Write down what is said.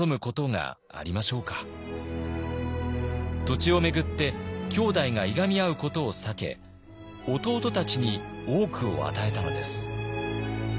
土地を巡って兄弟がいがみ合うことを避け弟たちに多くを与えたのです。